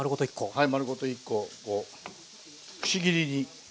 はい。